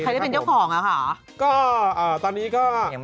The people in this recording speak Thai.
ใครได้เป็นเกี่ยวของแล้วคะก็ตอนนี้ก็